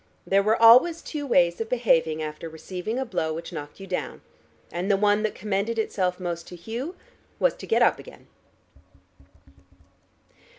There were always two ways of behaving after receiving a blow which knocked you down, and the one that commended itself most to Hugh was to get up again.